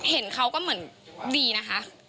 เห็นเขาก็เหมือนดีนะคะ